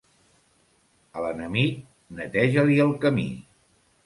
A l'enemic, neteja-li el camí.